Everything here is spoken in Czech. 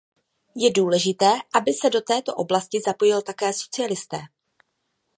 Je důležité, aby se do této oblasti zapojili také socialisté.